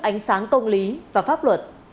ánh sáng công lý và pháp luật